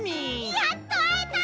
やっとあえた！